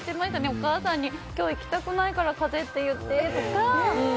お母さんに今日行きたくないから風邪って言って、とか。